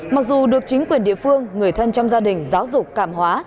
mặc dù được chính quyền địa phương người thân trong gia đình giáo dục cảm hóa